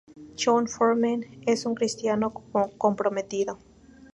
Jon Foreman es un cristiano comprometido.